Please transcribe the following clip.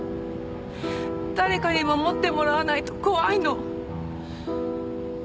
誰かに守ってもらわないと怖いの。